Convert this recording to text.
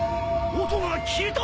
音が消えた！？